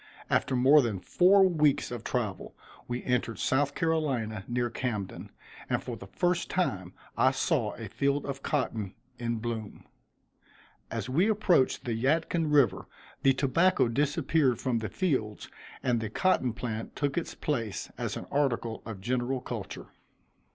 After more than four weeks of travel we entered South Carolina near Camden, and for the first time I saw a field of cotton in bloom. As we approached the Yadkin river the tobacco disappeared from the fields and the cotton plant took its place as an article of general culture.